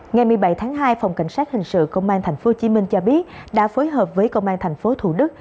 ngày một mươi bảy tháng hai phòng cảnh sát hình sự công an tp hcm cho biết đã phối hợp với công an tp thủ đức